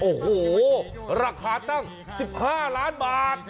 โอ้โหราคาตั้ง๑๕ล้านบาท